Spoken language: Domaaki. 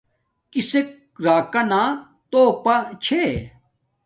کسک راکانا توپا چھے